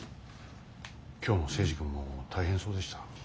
今日の征二君も大変そうでした。